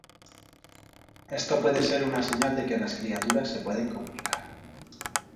Esto puede ser una señal de que las criaturas se pueden comunicar.